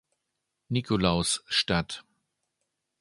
Nikolaus" statt.